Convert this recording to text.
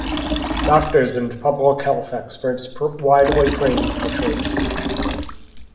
Doctors and public health experts widely praised the choice.